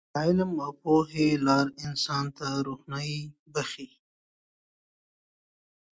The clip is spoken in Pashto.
د علم او پوهې لاره انسان ته روښنايي بښي.